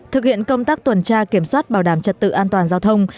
thực hiện công tác tuần tra kiểm soát bảo đảm trật tự an toàn giao thông